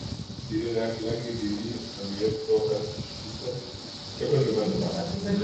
وزیر داخلہ کی دینی حمیت تو ہر شک و شبہ سے پاک ہے۔